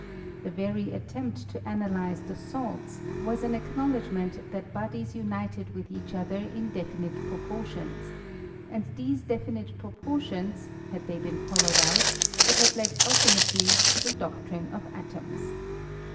The very attempt to analyze the salts was an acknowledgment that bodies united with each other in definite proportions : and tb^e definite pro ] Enions, had they been followed out, would have 1 ultimately to the doctrine of atoms.